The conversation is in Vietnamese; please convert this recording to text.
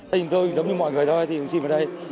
tình tôi giống như mọi người thôi thì xin về đây